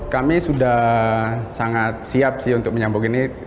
kami sudah sangat siap untuk menyambut ini